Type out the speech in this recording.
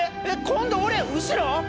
えっ今度俺後ろ？